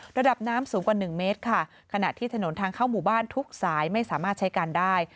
ระดับน้ำสูงกว่าหนึ่งเมตรค่ะขณะที่ถนนทางเข้าหมู่บ้านทุกสายไม่สามารถใช้การได้